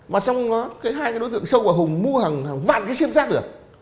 mà trong đó cái hai cái đối tượng sâu và hùng mua hàng vạn cái sim rác được